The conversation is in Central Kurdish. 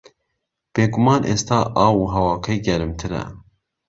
بێگومان ئێستا ئاو و ھەواکەی گەرمترە